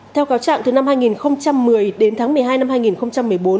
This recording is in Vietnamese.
theo cáo trạng từ năm hai nghìn một mươi đến tháng một mươi hai năm hai nghìn một mươi bốn